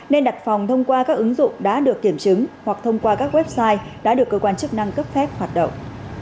nên đặt phòng thông qua các ứng dụng đã được kiểm chứng hoặc thông qua các website đã được cơ quan chức năng cấp phép hoạt động